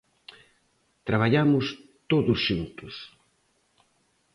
Traballamos todos xuntos.